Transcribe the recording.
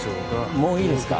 もういいですか？